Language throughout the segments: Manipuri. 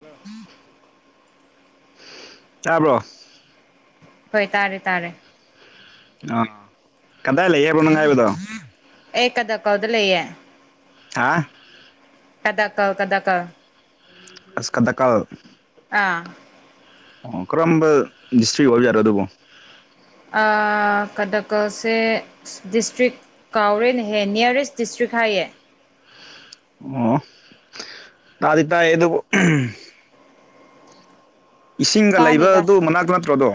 ꯂꯣ ꯆꯥꯕ꯭ꯔꯣ ꯍꯣꯏ ꯇꯥꯔꯦ ꯇꯥꯔꯦ ꯑ ꯀꯗꯥꯥꯏ ꯂꯩꯦꯕꯅꯥꯏꯕꯗꯣ ꯑꯦ ꯀꯗ ꯀꯗ ꯂꯩꯌꯦ ꯍꯥꯥ ꯀꯗꯥ ꯀ ꯀꯗꯥ ꯀ ꯑꯁꯀꯗꯀꯜ ꯑꯥ ꯑꯣ ꯀꯔꯝꯕ ꯗꯤꯁꯇ꯭ꯔꯤꯛ ꯑꯣꯏꯕ ꯌꯥꯔꯣ ꯑꯗꯨꯕꯨꯣ ꯀꯗꯥ ꯀꯁꯦ ꯗꯤꯁꯇ꯭ꯔꯤꯛ ꯀꯥꯎꯔꯦꯟ ꯍꯦ ꯅꯤꯌꯔꯦꯁ ꯗꯤꯁꯇ꯭ꯔꯤꯛ ꯍꯥꯏꯌꯦ ꯑꯣꯗꯇꯗ ꯏꯁꯤꯡꯒ ꯆꯥꯅꯤꯗ ꯂꯩꯕꯗꯨ ꯃꯅꯥꯛꯇ ꯅꯠꯇ꯭ꯔꯣꯗꯣ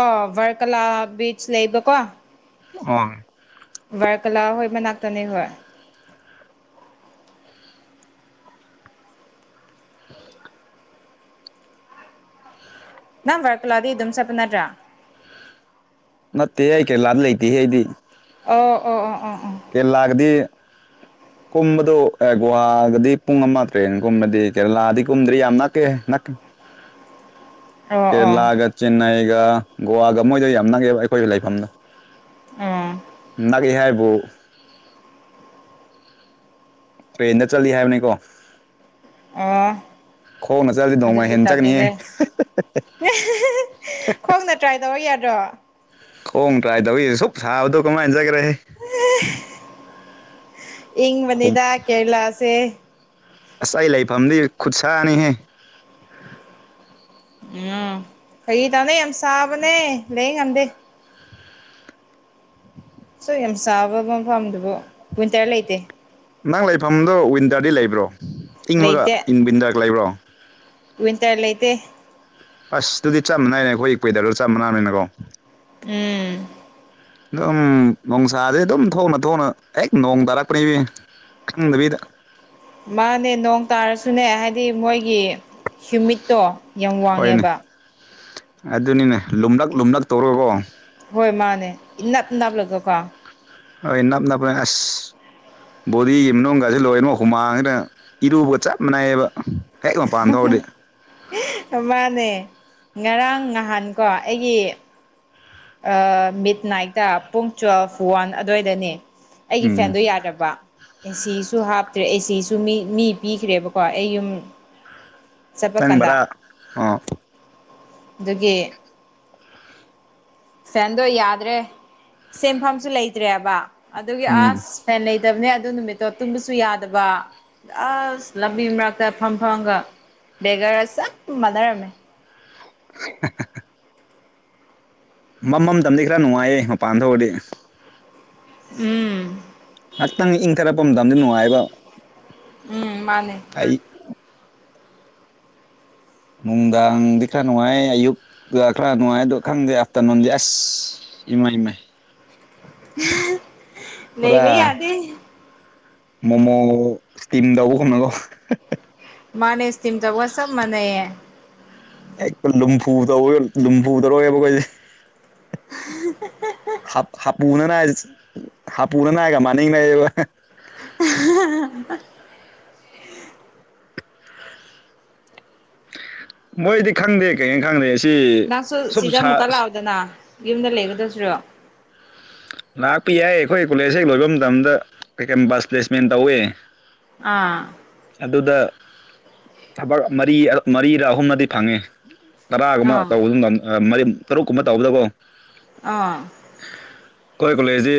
ꯑꯣ ꯚꯔꯀꯂꯥ ꯕꯤꯆ ꯂꯩꯕꯀꯣ ꯑ ꯚꯔ ꯀꯂꯥ ꯍꯣꯏ ꯃꯅꯥꯛꯇꯅꯤ ꯍꯣꯏ [unintelligible] ꯅ ꯋꯥꯀꯂ ꯑꯗꯨ ꯏ ꯑꯗꯨꯝ ꯆꯠꯅꯠꯇ꯭ꯔꯥ ꯅꯠꯇꯦ ꯑꯩ ꯀꯩꯂꯥꯟ ꯂꯩꯇꯦꯍꯦ ꯑꯩꯗꯤ ꯑꯣ ꯑꯣ ꯑꯣ ꯑꯣ ꯀ ꯂꯒꯗꯤ [unintelligible] ꯀꯨꯝꯕꯗꯨ ꯑꯦ ꯒꯨꯍꯥꯒꯗꯤ ꯄꯨꯡ ꯑꯃ ꯇ꯭ꯔꯦꯒꯨꯝꯕꯗꯤ ꯀꯦꯔꯂꯥꯗꯤ ꯀꯨꯝꯗ꯭ꯔꯤ ꯌꯥꯝ ꯅꯛꯀꯦ ꯅꯛꯀꯦ [unintelligible] ꯑꯣ ꯀꯦꯔꯂꯥꯒ ꯆꯦꯟꯟꯅꯏꯒ ꯒꯣꯋꯥꯒ ꯃꯣꯏꯗ ꯌꯥꯝ ꯅꯪꯉꯦꯕ ꯑꯩꯈꯣꯏꯒꯤ ꯂꯩꯐꯝꯗꯣ ꯑꯣ ꯅꯅꯥ ꯀꯍꯦꯕꯣ ꯇ꯭ꯔꯦꯟꯗ ꯆꯠꯂꯤ ꯍꯥꯏꯕꯅꯤꯀꯣ ꯑꯥ ꯈꯣꯡꯅ ꯆꯠꯂꯁꯤ ꯅꯣꯡꯃ ꯍꯦꯟꯅ ꯆꯠꯅꯤꯌꯦꯦ ꯈꯣꯡꯅ ꯇ꯭ꯔꯥꯏ ꯇꯧꯔ ꯌꯥꯗ꯭ꯔꯣ ꯈꯣꯡ ꯇ꯭ꯔꯥꯏ ꯇꯧꯏꯁꯦ ꯁꯨꯞ ꯁꯥꯕꯗꯣ ꯀꯃꯥꯏꯅꯖꯈ꯭ꯔꯦ ꯍꯨꯝ ꯏꯪꯕꯅꯤꯗ ꯀꯦꯔꯂꯥꯁꯦ ꯉꯁꯥꯏ ꯂꯩꯐꯝꯗꯤ ꯈꯨꯠꯁꯥꯅꯤꯍꯦ ꯎꯝ ꯀꯩ ꯇꯥꯅ ꯌꯥꯝ ꯁꯥꯕꯅꯦ ꯂꯩ ꯉꯝꯗꯦ [unintelligible] ꯁꯣꯏ ꯌꯥꯝ ꯆꯥꯕ ꯃꯐꯝꯗꯨꯕꯨ ꯋꯤꯟꯇꯔ ꯂꯩꯇꯦ ꯅꯪ ꯂꯩꯐꯝꯗꯣ ꯋꯤꯟꯗꯔꯗꯤ ꯂꯩꯕ꯭ꯔꯣ ꯏꯪꯕꯒ ꯏꯟ ꯋꯤꯟꯗꯔꯒ ꯂꯩꯕ꯭ꯔꯣ ꯇ ꯋꯥꯩꯇꯩ ꯑꯁ ꯑꯗꯨꯗꯤ ꯆꯞ ꯃꯥꯟꯅꯏꯅꯦ ꯑꯩꯈꯣꯏ ꯀꯦꯗꯔꯗ ꯆꯞ ꯃꯥꯟꯅꯕꯅꯤꯅꯀꯣ ꯎꯝ ꯑꯗꯨꯝ ꯅꯨꯡꯁꯥꯥꯁꯦ ꯑꯗꯨꯝ ꯊꯣꯡꯅ ꯊꯣꯡꯅ ꯍꯦꯛ ꯅꯣꯡ ꯇꯥꯔꯛꯄꯅꯦꯕ ꯎꯪꯕꯤꯗ ꯃꯥꯅꯦ ꯅꯣꯡ ꯇꯥꯔꯁꯨꯅꯦ ꯍꯥꯏꯗꯤ ꯃꯣꯏꯒꯤ ꯍ꯭ꯌꯨꯃꯤꯠꯇꯣ ꯌꯥꯝ ꯍꯣꯏꯅꯦ ꯋꯥꯡꯉꯦꯕ ꯑꯗꯨꯅꯤꯅꯦ ꯂꯨꯝꯂꯛ ꯂꯨꯝꯂꯛ ꯇꯧꯔꯒꯣ ꯍꯣꯏ ꯃꯥꯅꯦ ꯏꯅꯥꯞ ꯅꯥꯞꯂꯒꯀꯣ ꯍꯣꯏ ꯅꯥꯞ ꯅꯥꯞ꯭ꯔ ꯑꯁ ꯕꯣꯗꯤꯒꯤ ꯃꯅꯨꯡꯒꯁꯤ ꯂꯣꯏꯔꯅ ꯍꯨꯃꯥꯡꯁꯤꯅ ꯏꯔꯨꯕꯒ ꯆꯞ ꯃꯥꯟꯅꯩꯌꯦꯕ ꯍꯦꯛ ꯃꯄꯥꯟ ꯊꯧꯔꯗꯤ ꯃꯥꯅꯦ ꯉꯔꯥꯡ ꯅꯍꯥꯟꯀꯣ ꯑꯩꯒꯤ ꯃꯤꯠ ꯅꯥꯏꯠꯇ ꯄꯨꯡ ꯇ꯭ꯋꯦꯜꯐ ꯋꯥꯟ ꯑꯗꯨꯋꯥꯏꯗꯅꯦ ꯑꯩꯒꯤ ꯎꯝ ꯐꯦꯟꯗꯣ ꯌꯥꯗꯕ ꯑꯦꯁꯤꯁꯨ ꯍꯥꯞꯇ꯭ꯔꯦ ꯑꯦꯁꯤꯁꯨ ꯃꯤ ꯃꯤ ꯄꯤꯈ꯭ꯔꯦꯕꯀꯣ ꯑꯩ ꯌꯨꯝ ꯆꯠꯄ ꯅꯪ ꯀꯥꯟꯗ ꯚꯔꯥ ꯑꯣ ꯑꯗꯨꯒꯤ ꯐꯦꯟꯗꯣ ꯌꯥꯗ꯭ꯔꯦ ꯁꯦꯟꯐꯝꯁꯨ ꯂꯩꯇ꯭ꯔꯦꯕ ꯑꯗꯨꯒꯤ ꯎꯝ ꯑꯁ ꯁꯥꯏ ꯂꯩꯇꯕꯅꯦ ꯑꯗꯨ ꯅꯨꯃꯤꯠꯇꯣ ꯇꯨꯝꯕꯁꯨ ꯌꯥꯗꯕ ꯑꯁ ꯂꯝꯕꯤ ꯃꯔꯛꯇ ꯐꯝ ꯐꯝꯒ ꯕꯦꯒꯔꯒ ꯆꯞ ꯃꯥꯟꯅꯔꯝꯃꯦ ꯍ ꯍ ꯃꯃꯝꯇꯝꯗꯤ ꯈꯔ ꯅꯨꯡꯉꯥꯏꯌꯦ ꯃꯄꯥꯟ ꯊꯣꯛꯑꯗꯤ ꯎꯝ ꯉꯥꯏꯍꯥꯛꯇꯪ ꯏꯪꯊꯔꯛꯄ ꯃꯇꯝꯗ ꯅꯨꯡꯉꯥꯏꯕ ꯎꯝ ꯃꯥꯅꯦ ꯑꯩ ꯅꯨꯡꯗꯥꯡꯗꯤ ꯈꯔ ꯅꯨꯡꯉꯥꯏ ꯑꯌꯨꯛ ꯈꯔ ꯅꯨꯡꯉꯥꯏ ꯑꯗꯣ ꯈꯪꯗꯦ ꯑꯥꯐꯇꯔꯅꯨꯟꯗꯤ ꯑꯁ ꯏꯃꯥꯏ ꯏꯃꯥꯏ ꯄꯨꯔꯥ ꯂꯩꯕ ꯌꯥꯗꯦ ꯃꯣꯃꯣ ꯏꯁꯇꯤꯝ ꯇꯧꯕ ꯈꯨꯝꯅꯀꯣ ꯃꯥꯅꯦ ꯁ꯭ꯇꯤꯝ ꯇꯧꯕ ꯆꯞ ꯃꯥꯅꯩ ꯍ ꯂꯨꯝꯐꯨ ꯇꯧ ꯂꯨꯝꯐꯨ ꯇꯧꯔꯒꯦꯕ ꯑꯩꯈꯣꯏꯁꯦ [unintelligible] ꯍꯥꯄꯨꯅ ꯅꯥꯏ ꯍꯥꯄꯨꯅ ꯅꯥꯏꯒ ꯃꯅꯤꯡꯅꯏꯌꯦꯕ [unintelligible] ꯃꯣꯏꯗꯤ ꯈꯪꯗꯦ ꯀꯩꯒꯤ ꯈꯪꯗꯦ ꯁꯤ ꯅꯪꯁꯨ ꯁꯨꯝ ꯁꯤꯗ ꯁꯥ ꯑꯃꯨꯛꯀ ꯂꯥꯛꯑꯣꯗꯅ ꯌꯨꯝꯗ ꯂꯩꯒꯗꯧꯁꯤꯔꯣ ꯂꯥꯛꯄ ꯌꯥꯏ ꯑꯩꯈꯣꯏ ꯀꯣꯂꯦꯖ ꯍꯦꯛ ꯂꯣꯏꯕ ꯃꯇꯝꯗ ꯀꯩ ꯀꯩ ꯕꯁ ꯄ꯭ꯂꯦꯁꯃꯦꯟ ꯇꯧꯋꯦ ꯑꯥ ꯑꯗꯨꯗ ꯊꯕꯛ ꯃꯔꯤ ꯃꯔꯤꯔꯥ ꯑꯍꯨꯝꯅꯗꯤ ꯐꯪꯉꯦ ꯇꯔꯥꯒꯨꯝꯕ ꯑꯥ ꯇꯧꯕꯗꯨ ꯃꯔꯤ ꯇꯔꯨꯛꯀꯨꯝꯕ ꯇꯧꯕꯗꯀꯣ ꯑꯥ ꯑꯩꯈꯣꯏ ꯀꯣꯂꯦꯖꯁꯤ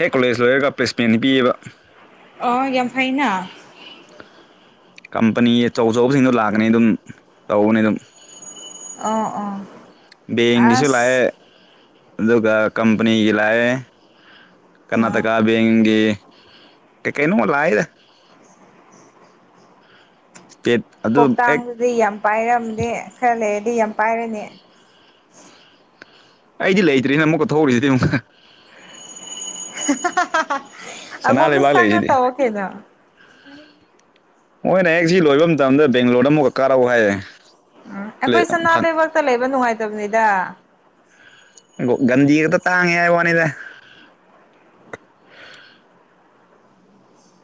ꯍꯦꯛ ꯀꯣꯂꯦꯖ ꯂꯣꯏꯔꯒ ꯄ꯭ꯂꯦꯁꯃꯦꯟ ꯄꯤꯌꯦꯕ ꯑ ꯌꯥꯝ ꯐꯩꯅ ꯀꯝꯄꯅꯤ ꯑꯆꯧ ꯑꯆꯧꯕꯁꯤꯡꯗꯣ ꯂꯥꯛꯀꯅꯤ ꯑꯗꯨꯝ ꯇꯧꯕꯅꯤ ꯑꯗꯨꯝ ꯑꯥ ꯑꯥ ꯕꯦꯡꯒꯤꯁꯨ ꯂꯥꯛꯑꯦ ꯑꯗꯨꯒ ꯀꯝꯄꯅꯤꯒꯤ ꯂꯥꯛꯑꯦ ꯑꯥ ꯀꯔꯅꯥꯇꯀꯥ ꯕꯦꯡꯒꯦ ꯀꯩ ꯀꯩꯩꯅꯣ ꯂꯥꯑꯦꯗ ꯀꯦꯠ ꯀꯧꯇꯥꯡꯗꯨꯗꯤ ꯌꯥꯝ ꯄꯥꯏꯔꯝꯅꯦ ꯈꯔ ꯂꯩꯔꯗꯤ ꯌꯥꯝ ꯄꯥꯏꯔꯅꯤ ꯑꯩꯗꯤ ꯂꯩꯇ꯭ꯔꯤꯅ ꯑꯃꯨꯛꯀ ꯊꯣꯛꯎꯔꯤꯁꯤꯗꯤ ꯑꯃꯨꯛꯀ ꯑꯍꯥꯍꯥꯍꯥꯍꯥ ꯁꯅꯥ ꯑꯃꯨꯀ ꯂꯩꯕꯥꯛ ꯆꯪꯉ ꯂꯩꯔꯤꯁꯤꯗꯤ ꯇꯧꯑꯣ ꯀꯩꯅꯣ ꯃꯣꯏꯅ ꯍꯦꯛ ꯁꯤ ꯂꯣꯏꯕ ꯃꯇꯝꯗ ꯕꯦꯡꯒꯂꯣꯔꯗ ꯑꯃꯨꯛꯀꯛ ꯀꯥꯔꯛꯎ ꯍꯥꯏꯌꯦ ꯎꯝ ꯑꯩꯈꯣꯏ ꯁꯅꯥ ꯂꯩꯕꯥꯛꯇ ꯂꯩꯕ ꯅꯨꯡꯉꯥꯏꯇꯕꯅꯤꯗ ꯒꯟꯗꯤꯒꯛꯇ ꯇꯥꯡꯉꯦ ꯍꯥꯏ ꯋꯥꯅꯤꯗ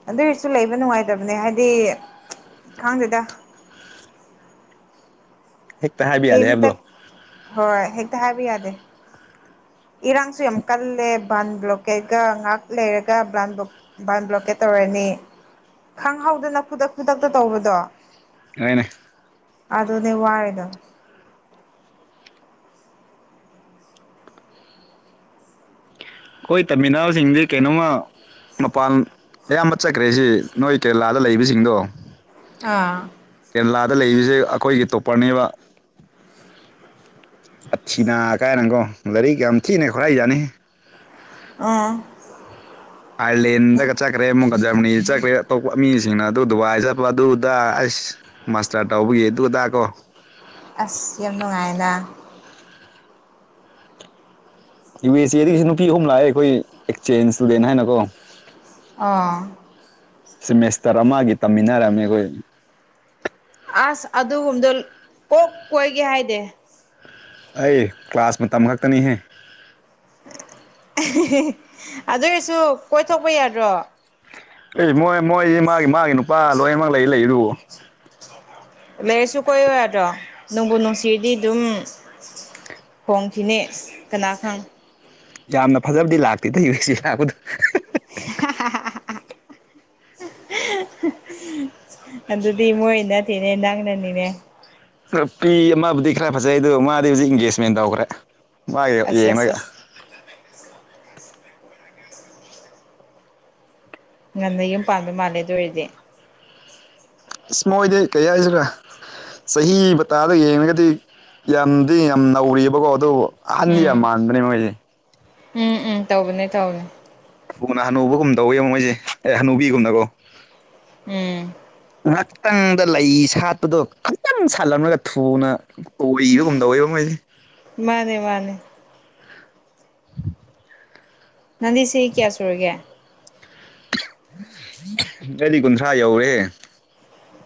ꯑꯗꯨꯏꯔꯁꯨ ꯂꯩꯕ ꯅꯨꯡꯉꯥꯏꯇꯕꯅꯦ ꯍꯥꯏꯗꯤ ꯈꯪꯗꯦꯗ ꯍꯦꯛꯇ ꯍꯥꯏꯕ ꯌꯥꯗꯦ ꯀꯝꯇ ꯍꯥꯏꯕꯗꯣ ꯍꯣꯏ ꯍꯦꯛꯇ ꯍꯥꯏꯕ ꯌꯥꯗꯦ ꯏꯔꯥꯡꯁꯨ ꯌꯥꯝ ꯀꯜꯂꯦ ꯕꯟ ꯕ꯭ꯂꯣꯀꯦꯠꯀ ꯉꯥꯏꯍꯥꯛ ꯂꯩꯔꯒ ꯕꯟ ꯕꯥꯟ ꯕ꯭ꯂꯣꯀꯦꯠ ꯇꯧꯔꯅꯤ ꯈꯪꯍꯧꯗꯅ ꯈꯨꯗꯛ ꯈꯨꯗꯛꯇ ꯇꯧꯕꯗꯣ ꯑꯥꯏꯅꯦ ꯑ ꯑꯗꯨꯅꯦ ꯋꯥꯏꯗ ꯑꯩꯈꯣꯏ ꯇꯝꯃꯤꯟꯅꯕꯁꯤꯡꯗꯤ ꯀꯩꯅꯣꯝꯃ ꯃꯄꯥꯟ ꯑꯌꯥꯝꯕ ꯆꯠꯈ꯭ꯔꯦꯁꯤ ꯅꯣꯏ ꯀꯦꯔꯂꯥꯗ ꯂꯩꯕꯁꯤꯡꯗꯣ ꯑꯥ ꯀꯦꯔꯂꯥꯗ ꯂꯩꯁꯦ ꯑꯩꯈꯣꯏꯒꯤ ꯇꯣꯞꯄꯔꯅꯦꯕ ꯑꯊꯤꯅꯥꯀꯥꯏꯔꯪꯒꯣ ꯂꯥꯏꯔꯤꯛ ꯌꯥꯝ ꯊꯤꯅ ꯈꯔꯥꯏꯖꯥꯅꯤ ꯑꯥ ꯑꯥꯢꯂꯦꯟꯗꯒ ꯆꯠ ꯆꯠꯈ꯭ꯔꯦ ꯑꯃꯨꯛꯀ ꯖꯔꯃꯅꯤ ꯆꯠꯈ꯭ꯔꯦ ꯑꯇꯣꯞꯄ ꯃꯤꯁꯤꯡꯅ ꯑꯗꯨ ꯗꯨꯕꯥꯏ ꯆꯠꯄ ꯑꯗꯨꯗ ꯑꯁ ꯃꯥꯁꯇꯥꯔ ꯇꯧꯕꯒꯤ ꯑꯗꯨꯗꯥ ꯀꯣ ꯑꯁ ꯌꯥꯝ ꯅꯨꯡꯉꯥꯏꯅ ꯌꯨ ꯑꯦꯁ ꯑꯦꯗꯒꯤꯁꯨ ꯅꯨꯄꯤ ꯑꯍꯨꯝ ꯂꯥꯛꯑꯦ ꯑꯩꯈꯣꯏ ꯑꯦꯛꯆꯦꯟꯖ ꯁꯇꯨꯗꯦꯟ ꯍꯥꯏꯅ ꯀꯣ ꯑꯥ ꯁꯤꯃꯦꯁꯇꯔ ꯑꯃꯒꯤ ꯇꯝꯃꯤꯟꯅꯔꯝꯃꯦ ꯑꯩꯈꯣꯏ ꯑꯁ ꯑꯗꯨꯒꯨꯝꯕꯗꯣ ꯀꯣꯛ ꯀꯣꯏꯒꯦ ꯍꯥꯏꯗꯤ ꯑꯩ ꯀ꯭ꯂꯥꯁ ꯃꯇꯝ ꯈꯛꯇꯅꯤꯍꯦ ꯑꯗꯨ ꯑꯣꯏꯔꯁꯨ ꯀꯣꯏꯊꯣꯛꯄ ꯌꯥꯗ꯭ꯔꯣ ꯑꯦ ꯃꯣꯏ ꯃꯣꯏ ꯃꯥꯒꯤ ꯃꯥꯒꯤ ꯅꯨꯄꯥ ꯂꯣꯏꯅꯃꯛ ꯂꯩ ꯂꯩꯗꯨꯕꯨ ꯂꯩꯔꯁꯨ ꯀꯣꯏꯔꯣꯏꯔꯗ꯭ꯔꯣ ꯅꯪꯕꯨ ꯅꯨꯡꯁꯤꯔꯗꯤ ꯑꯗꯨꯝ ꯍꯣꯡꯈꯤꯅꯦ ꯀꯅꯥꯈꯪ ꯌꯥꯝꯅ ꯐꯖꯕꯗꯤ ꯂꯥꯛꯇꯦ ꯌꯨ ꯑꯁ ꯇꯩ ꯂꯥꯛꯄꯗꯨꯁꯨ [unintelligible] ꯑꯗꯨꯗꯤ ꯃꯣꯏ ꯅꯠꯇꯦꯅꯦ ꯅꯪꯅꯅꯤꯅꯦ ꯄꯤ ꯑꯃꯕꯨꯗꯤ ꯈꯔ ꯐꯖꯩ ꯑꯗꯨꯒ ꯃꯥꯗꯤ ꯍꯧꯖꯤꯛ ꯏꯡꯒꯦꯖꯃꯦꯟ ꯇꯧꯈ꯭ꯔꯦ ꯃꯥꯒꯤ ꯑꯁ ꯑꯁ ꯌꯦꯡꯉꯒ ꯑꯁ ꯉꯟꯅ ꯌꯨꯝ ꯄꯥꯟꯕꯗ ꯃꯥꯜꯂꯦ ꯑꯗꯨ ꯑꯣꯏꯔꯗꯤ ꯏꯁ ꯃꯣꯏꯗꯤ ꯀꯩ ꯍꯥꯏꯁꯤꯔꯥ ꯆꯍꯤ ꯃꯇꯇꯥꯗ ꯌꯦꯡꯉꯒꯗꯤ ꯌꯥꯝꯗꯤ ꯌꯥꯝ ꯅꯧꯔꯤꯕꯑꯕꯀꯣ ꯑꯗꯨꯕꯨ ꯑꯍꯜ ꯌꯥꯝ ꯎꯝ ꯃꯟꯕꯅꯤ ꯃꯣꯏꯗꯤ ꯎꯝ ꯎꯝ ꯇꯧꯕꯅꯦ ꯇꯧꯅꯦ ꯊꯨꯅꯥ ꯍꯅꯨꯕꯒꯨꯝ ꯇꯧꯋꯦꯕ ꯃꯣꯏꯁꯦ ꯑꯦ ꯍꯅꯨꯕꯤꯒꯨꯝꯅꯀꯣ ꯎꯝ ꯉꯥꯏꯍꯥꯛꯇꯪꯗ ꯂꯩ ꯁꯥꯠꯄꯗꯣ ꯈꯤꯇꯪ ꯁꯥꯠꯂꯝꯂꯒ ꯊꯨꯅ ꯑꯣꯏꯕꯒꯨꯝꯗ ꯑꯣꯏꯕ ꯃꯣꯏꯁꯦ ꯃꯥꯅꯦ ꯃꯥꯅꯦ ꯅꯪꯗꯤ ꯆꯍꯤ ꯀꯌꯥꯁꯨꯔꯒꯦ ꯆꯍꯤ ꯀꯨꯟꯊ꯭ꯔꯥ ꯌꯧꯔꯦ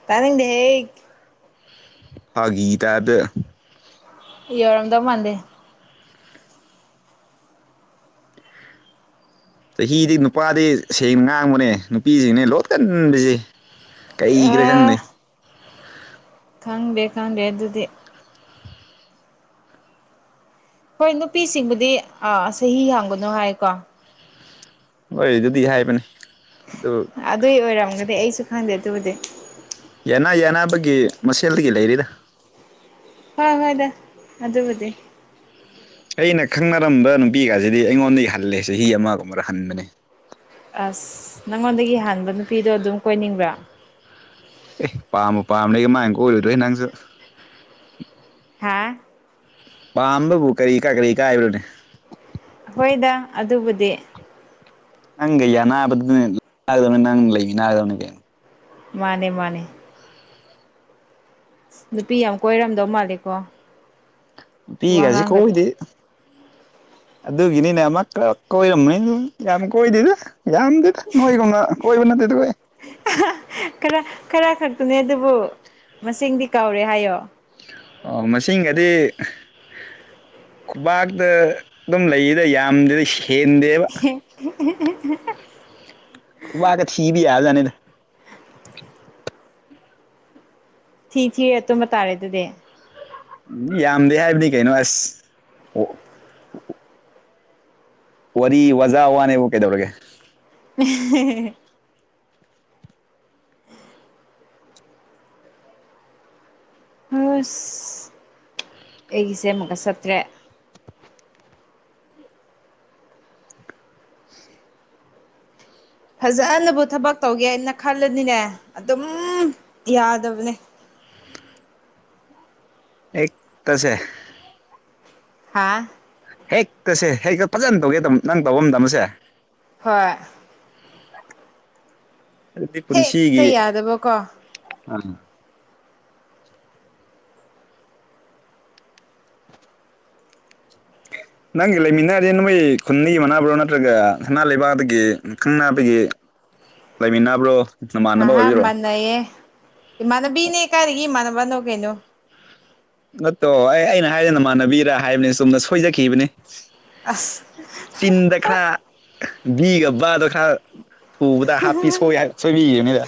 ꯇꯅꯤꯡꯗꯦ ꯐꯥꯒꯤ ꯇꯥꯏꯄꯇꯥ ꯌꯧꯔꯝꯗꯧ ꯃꯟꯗꯦ ꯆꯍꯤꯗꯤ ꯅꯨꯄꯥꯗꯤ ꯁꯦꯡꯅ ꯉꯥꯡꯕꯅꯦ ꯅꯨꯄꯤꯁꯤꯡꯅꯦ ꯂꯣꯠꯀꯟꯁꯦ ꯑ ꯀꯩꯈ꯭ꯔꯦ ꯈꯪꯗꯦ ꯈꯪꯗꯦ ꯈꯪꯗꯦ ꯑꯗꯨꯗꯤ ꯍꯣꯏ ꯅꯨꯄꯤꯁꯤꯡꯕꯨꯗꯤ ꯆꯍꯤ ꯍꯥꯡꯒꯅꯨ ꯍꯥꯏꯀꯣ ꯍꯣꯏ ꯑꯗꯨꯗꯤ ꯍꯥꯏꯕꯅꯦ ꯑꯗꯨꯏ ꯑꯣꯏꯔꯝꯒꯗꯤ ꯑꯩꯁꯨ ꯈꯪꯗꯦ ꯑꯗꯨꯕꯨꯗꯤ ꯌꯥꯅꯥ ꯌꯥꯅꯥꯕꯒꯤ ꯃꯁꯦꯜꯗꯒꯤ ꯂꯩꯔꯤꯗ ꯍꯣꯏ ꯍꯣꯏꯗ ꯑꯗꯨꯕꯨꯗꯤ ꯑꯩꯅ ꯈꯪꯅꯔꯝꯕ ꯅꯨꯄꯤꯒꯁꯤꯗꯤ ꯑꯩꯉꯣꯟꯗꯒꯤ ꯍꯜꯂꯦꯁꯦ ꯆꯍꯤ ꯑꯃꯒꯨꯝꯕꯗ ꯍꯟꯕꯅꯦ ꯑꯁ ꯅꯪꯉꯣꯟꯗꯒꯤ ꯍꯥꯟꯕ ꯅꯨꯄꯤꯗꯣ ꯑꯗꯨꯝ ꯀꯣꯏꯅꯤꯡꯕ꯭ꯔꯥ ꯑꯦ ꯄꯥꯝꯃ ꯄꯥꯝꯅꯦꯒ ꯃꯥꯡꯒ ꯑꯣꯏꯔꯣꯏꯗꯣꯏ ꯅꯪꯁꯨ ꯍꯥꯥ ꯄꯥꯝꯕꯨ ꯀꯔꯤ ꯀꯥ ꯀꯔꯤ ꯀꯥ ꯍꯥꯏꯕꯦ ꯍꯣꯏꯗ ꯑꯗꯨꯕꯨꯗꯤ ꯅꯪ ꯌꯥꯅꯕꯗꯨꯗ ꯑꯅꯥꯕꯗꯨꯗꯧꯅꯤ ꯅꯪ ꯂꯩ ꯅꯥꯒꯗꯧꯅꯤꯅꯦ ꯀꯩꯅ ꯃꯥꯅꯦ ꯃꯥꯅꯦ ꯅꯨꯄꯤ ꯌꯥꯝ ꯀꯣꯏꯔꯝꯗꯧ ꯃꯥꯜꯂꯦꯀꯣ ꯅꯨꯄꯤ ꯍꯧꯖꯤꯛ ꯋꯥꯉꯥꯡꯒꯗꯣ ꯀꯣꯏꯗꯦ ꯑꯗꯨꯒꯤꯅꯤꯅꯦ ꯑꯃ ꯀꯣꯏꯔꯝꯅꯤ ꯌꯥꯝ ꯀꯣꯏꯗꯦꯗ ꯌꯥꯝꯗꯤ ꯅꯣꯏꯒꯨꯝꯅ ꯀꯣꯏꯕ ꯅꯠꯇꯦꯗ ꯀꯣꯏ ꯈꯔ ꯈꯔ ꯈꯛꯇꯨꯅꯦ ꯑꯗꯨꯕꯨ ꯃꯁꯤꯡꯗꯤ ꯀꯥꯎꯔꯦ ꯍꯥꯏꯌꯣ ꯑꯣ ꯃꯁꯤꯡꯒꯗꯤ ꯈꯨꯄꯥꯛꯥꯛꯇ ꯑꯗꯨꯝ ꯂꯩꯗ ꯌꯥꯝꯗ꯭ꯔꯦꯗ ꯁꯦꯟꯗꯦꯕ [unintelligible] ꯎ ꯋꯥ ꯀꯦ ꯊꯕꯤ ꯌꯥ ꯌꯥꯅꯤꯗ ꯊꯤ ꯊꯤꯔꯦ ꯇꯨꯝꯕ ꯇꯥꯔꯦ ꯑꯗꯨꯗꯤ ꯎ ꯌꯥꯝꯗꯦ ꯍꯥꯏꯕꯗꯤ ꯀꯩꯅꯣ ꯑꯁ ꯑꯣ ꯋꯥꯔꯤ ꯋꯥꯖꯥ ꯋꯥꯅꯦꯕꯨ ꯀꯩꯗꯧꯔꯒꯦ ꯎ ꯍꯁ ꯑꯩꯒꯤꯁꯦ ꯑꯃꯨꯛꯀ ꯆꯠꯇ꯭ꯔꯦ ꯐꯖꯅꯕꯨ ꯊꯕꯛ ꯇꯧꯒꯦ ꯍꯥꯏꯅ ꯈꯜꯂꯅꯤꯅꯦ ꯑꯗꯨꯝ ꯌꯥꯗꯕꯅꯦ ꯑꯦ ꯇꯁꯦ ꯍꯥꯥ ꯍꯦꯛꯇꯁꯦ ꯍꯦꯛꯇ ꯐꯖꯅ ꯇꯧꯒꯦ ꯇ ꯅꯪ ꯇꯧꯕꯐꯝ ꯑꯃꯗꯃꯁꯦ ꯍꯣꯏ ꯑꯗꯨꯗꯤ ꯄꯨꯟꯁꯤꯒꯤ ꯍꯦꯛꯇ ꯌꯥꯗꯕꯀꯣ ꯑ [inaudible] ꯅꯪꯒꯤ ꯂꯩꯃꯤꯟꯅꯔꯦ ꯅꯣꯏ ꯈꯨꯟꯅꯤꯒꯤ ꯃꯅꯥꯕ꯭ꯔꯣ ꯅꯠꯇ꯭ꯔꯒ ꯅꯅꯥ ꯂꯩꯕꯥꯛꯗꯒꯤ ꯈꯪ ꯅꯥꯕꯒꯤ ꯂꯩꯃꯤꯟꯅꯕ꯭ꯔꯣ ꯑꯍꯥ ꯑꯣꯏꯕꯤꯔꯣ ꯃꯥꯟꯅꯩꯌꯦ ꯏꯃꯥꯟꯅꯕꯤꯅꯦ ꯀꯥꯏꯔꯤꯒꯤ ꯏꯃꯥꯟꯅꯕꯅꯣ ꯀꯩꯅꯣ ꯅꯠꯇꯣ ꯑꯩ ꯑꯩꯅ ꯍꯥꯏꯗꯅꯃꯥꯟꯅꯕꯤꯔ ꯍꯥꯏꯕꯅꯤ ꯆꯨꯝꯅ ꯁꯣꯏꯖꯈꯤꯕꯅꯤ ꯑꯁ ꯆꯤꯟꯗ ꯈꯔ ꯕꯤꯒꯕ ꯑꯗ ꯈꯔ ꯊꯨꯕꯗ ꯍꯥꯞꯄꯤ ꯁꯣꯏꯕꯤꯈꯤꯕꯅꯤꯗ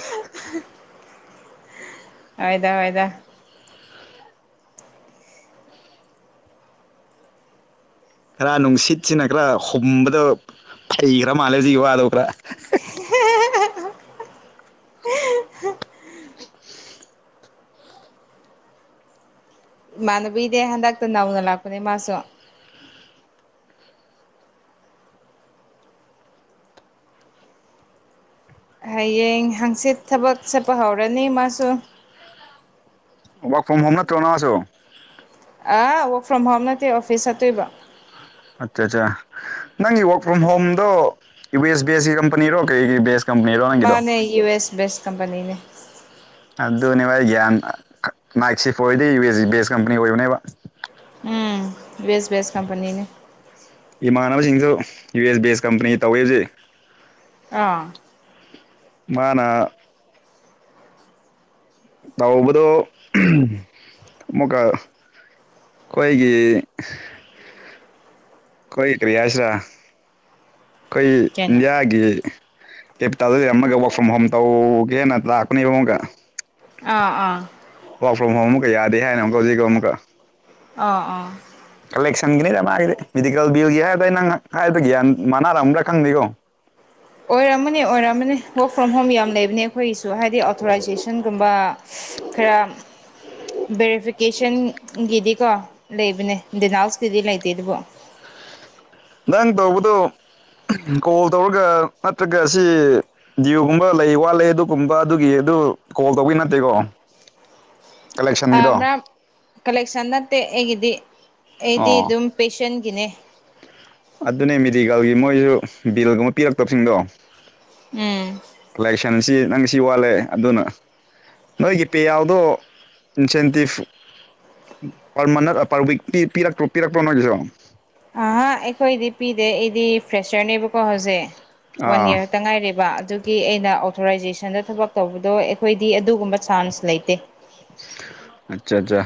ꯑꯣꯏꯣꯏꯗ ꯑꯣꯏꯣꯏꯗ ꯈꯔ ꯅꯨꯡꯁꯤꯠꯁꯤꯅ ꯈꯔ ꯍꯨꯝꯕꯗ ꯐꯩꯈ꯭ꯔꯥ ꯃꯥꯜꯂꯦ ꯍꯧꯖꯤꯛꯀꯤ ꯋꯥꯗꯣ ꯈꯔ [unintelligible] ꯏꯃꯥꯟꯅꯕ ꯏꯅꯦ ꯍꯟꯗꯛꯇ ꯅꯧꯅ ꯂꯥꯛꯄꯅꯦ ꯃꯥꯁꯨ ꯍꯌꯦꯡ ꯍꯥꯡꯆꯤꯠ ꯊꯕꯛ ꯆꯠꯄ ꯍꯧꯔꯅꯤ ꯃꯥꯁꯨ ꯋꯥꯛ ꯐ꯭ꯔꯣꯝ ꯍꯣꯝ ꯅꯠꯇ꯭ꯔꯣꯅꯥꯉꯁꯨ ꯑ ꯋꯔꯛ ꯐ꯭ꯔꯣꯝ ꯍꯣꯝ ꯅꯠꯇꯦ ꯑꯣꯐꯤꯁ ꯆꯠꯇꯣꯏꯕ ꯑꯠꯆꯥ ꯑꯠꯆꯥ ꯅꯪꯒꯤ ꯋꯔꯛ ꯐ꯭ꯔꯣꯝ ꯍꯣꯝꯗꯣ ꯋꯦꯁ ꯕꯦꯁꯀꯤ ꯀꯝꯄꯅꯤꯔꯣ ꯀꯩꯒꯤ ꯕꯦꯁ ꯀꯝꯄꯅꯤꯔꯣ ꯅꯪꯒꯤꯗꯣ ꯃꯥꯅꯦ ꯌꯨ ꯑꯦꯁ ꯦꯁ ꯀꯝꯄꯅꯤꯅꯦ ꯑꯗꯨꯅꯦꯕ ꯑꯩ ꯒ꯭ꯌꯥꯟ ꯥꯏꯛꯁꯤꯐ ꯑꯣꯏꯔꯗꯤ ꯌꯨ ꯑꯦ ꯕꯦꯁ ꯀꯝꯄꯅꯤ ꯑꯣꯏꯕꯅꯦꯕ ꯎꯝ ꯕꯁ ꯦꯁ ꯀꯝꯄꯅꯤꯅꯤ ꯏꯃꯥꯟꯅꯕꯁꯤꯡꯁꯨ ꯌꯨ ꯑꯦꯁ ꯕꯦꯁ ꯀꯝꯄꯅꯤ ꯇꯧꯋꯤ ꯍꯧꯖꯤꯛ ꯑꯥ ꯃꯥꯅ ꯇꯎꯕꯗꯣ ꯃꯨꯀ ꯑꯩꯈꯣꯏꯒꯤ ꯑꯩꯈꯣꯏ ꯀ꯭ꯔꯤꯌꯥꯁꯤꯔꯥ ꯑꯩꯈꯣꯏ ꯀꯩꯅꯣ ꯏꯟꯗꯤꯌꯥꯒꯤ ꯀꯦꯄꯤꯇꯥꯜꯗ ꯂꯩꯔ ꯑꯃꯒ ꯋꯔꯥꯛ ꯐ꯭ꯔꯣꯝ ꯍꯣꯝ ꯇꯧꯒꯦꯅ ꯂꯥꯛꯀꯅꯦꯕ ꯑꯃꯒ ꯑꯥ ꯑꯥ ꯋꯥꯔꯥꯛ꯭ꯔꯣꯝꯣꯝ ꯑꯃꯛ ꯌꯥꯗꯦ ꯍꯥꯏꯅ ꯑꯃꯛꯖꯤꯛꯣ ꯑꯃꯛ ꯑꯥ ꯑꯥ ꯀꯂꯦꯛꯁꯟꯒꯤꯅꯤꯗ ꯃꯥꯒꯤꯗꯤ ꯃꯦꯗꯤꯀꯦꯜ ꯕꯤꯜꯒꯤ ꯍꯥꯏꯔꯗ ꯑꯩ ꯅꯪ ꯍꯥꯏꯗꯤ ꯒ꯭ꯟ ꯃꯥꯟꯅꯔꯝꯗ꯭ꯔꯥ ꯈꯪꯗꯦꯀꯣ ꯑꯣꯏꯔꯝꯃꯅꯤ ꯑꯣꯏꯔꯝꯃꯅꯤ ꯋꯛ ꯐ꯭ꯔꯣꯝ ꯍꯣꯝ ꯌꯥꯝ ꯂꯩꯕꯅꯦ ꯑꯩꯈꯣꯏꯒꯤꯁꯨ ꯍꯥꯏꯗꯤ ꯑꯣꯊꯣꯔꯥꯏꯖꯦꯁꯟꯒꯨꯝꯕ ꯈꯔ ꯕꯦꯔꯤꯐꯤꯀꯦꯁꯟꯒꯤꯗꯤꯀꯣ ꯂꯩꯕꯅꯦ ꯗꯦꯅꯥꯎꯁꯀꯤꯗꯤ ꯂꯩꯇꯦ ꯑꯗꯨꯕꯨꯣ ꯅꯪ ꯇꯧꯕꯗꯨꯣ ꯀꯣꯜ ꯇꯧꯔꯒ ꯅꯠꯇ꯭ꯔꯒ ꯑꯁꯤ ꯖꯤꯌꯣꯒꯨꯝꯕ ꯂꯩ ꯋꯥꯠꯂ ꯑꯗꯨꯒꯨꯝꯕ ꯑꯗꯨꯒꯤ ꯑꯗꯨ ꯀꯣꯜ ꯇꯧꯕꯤ ꯅꯠꯇꯦꯀꯣ ꯀꯂꯦꯛꯁꯟꯒꯤꯗꯣ ꯑꯃꯔꯝ ꯀꯂꯦꯛꯁꯟ ꯅꯠꯇꯦ ꯑꯩꯒꯤꯗꯤ ꯑꯩꯗꯤ ꯑꯣ ꯑꯗꯨꯝ ꯄꯦꯁꯦꯟꯒꯤꯅꯦ ꯑꯗꯨꯅꯦ ꯃꯦꯗꯤꯀꯦꯜꯒꯤ ꯃꯣꯏꯁꯨ ꯕꯤꯜꯒꯨꯝꯕ ꯄꯤꯔꯛꯇꯕꯁꯤꯡꯗꯣ ꯎꯝ ꯀꯂꯦꯛꯁꯟꯁꯤ ꯅꯪ ꯁꯤ ꯋꯥꯠꯂꯦ ꯑꯗꯨꯅ ꯅꯣꯏꯒꯤ ꯄꯦ ꯑꯎꯗꯣ incentive per month per week ꯄꯤ ꯄꯤꯔꯛꯇ꯭ꯔꯣ ꯄꯤꯔꯛꯄꯔꯣ ꯅꯣꯏꯒꯤꯁꯨ ꯑ ꯑꯩꯈꯣꯏꯗꯤ ꯄꯤꯗꯦ ꯑꯩꯗꯤ ꯐ꯭ꯔꯦꯁꯔꯅꯦꯕꯀꯣ ꯍꯧꯖꯤꯛ ꯋꯥꯟ ꯑꯥ ꯌꯔꯇ ꯉꯥꯏꯔꯤꯕ ꯑꯗꯨ ꯒꯤ ꯑꯩꯅ ꯑꯣꯊꯣꯔꯥꯏꯖꯦꯁꯟꯗ ꯊꯕꯛ ꯇꯧꯕꯗꯣ ꯑꯩꯈꯣꯏꯗꯤ ꯑꯗꯨꯒꯨꯝꯕ ꯆꯥꯟꯁ ꯂꯩꯇꯦ ꯑꯆꯥ ꯑꯆꯥ